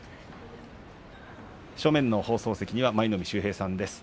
正面の放送席には舞の海秀平さんです。